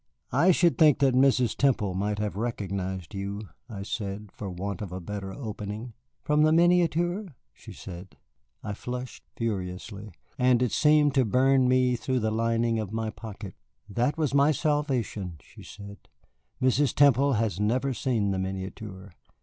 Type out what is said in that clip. "I should think that Mrs. Temple might have recognized you," I said, for want of a better opening. "From the miniature?" she said. I flushed furiously, and it seemed to burn me through the lining of my pocket. "That was my salvation," she said. "Mrs. Temple has never seen the miniature.